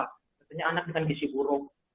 contohnya anak dengan gizi buruk